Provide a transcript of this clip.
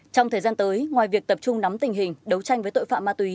trong thời gian tới ngoài việc tập trung nắm tình hình đấu tranh với tội phạm ma túy